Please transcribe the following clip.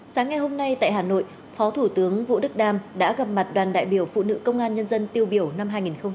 sáng ngày hôm nay tại hà nội phó thủ tướng vũ đức đam đã gặp mặt đoàn đại biểu phụ nữ công an nhân dân tiêu biểu năm hai nghìn hai mươi ba